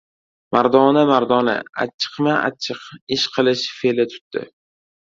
Mardona-mardona, achchiqma-achchiq ish qilish fe’li tutdi!